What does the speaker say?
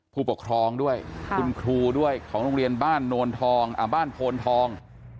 ผู้ปกครองด้วยคุณครูด้วยของโรงเรียนบ้านโนนทองบ้านโพนทอง